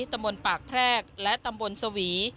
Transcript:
ตำบลปากแพรกและตำบลสวี